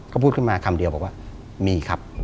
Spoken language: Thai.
ก็พูดขึ้นมาคำเดียวบอกว่ามีครับ